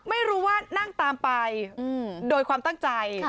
ไม่รู้ว่านั่งตามไปโดยความตั้งใจ